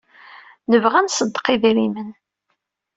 Nebɣa ad nṣeddeq idrimen.